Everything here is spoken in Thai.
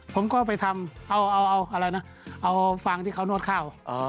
ผมก็ไปทำเอาฟางที่เขานวดข้าว